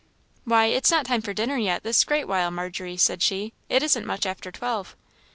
"Why, it is not dinner time yet, this great while, Margery," said she "it isn't much after twelve."